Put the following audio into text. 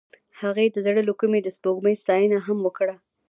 هغې د زړه له کومې د سپوږمۍ ستاینه هم وکړه.